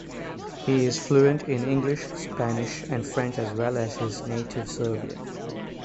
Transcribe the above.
He is fluent in English, Spanish and French as well as his native Serbian.